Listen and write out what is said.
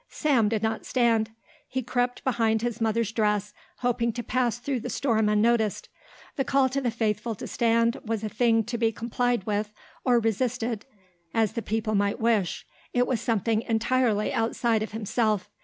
Sam did not stand. He crept behind his mother's dress, hoping to pass through the storm unnoticed. The call to the faithful to stand was a thing to be complied with or resisted as the people might wish; it was something entirely outside of himself.